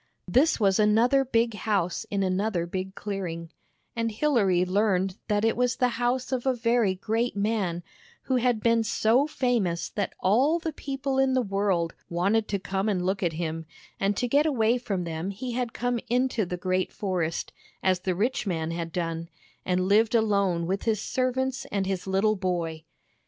This was another big house in another big clearing, and Hilary learned that it was the house of a very great man, who had been so famous that all the people in the world wanted to come and look at him; and to get away from them he had come into the great forest, as the rich man had done, and lived alone with his servants and his little boy.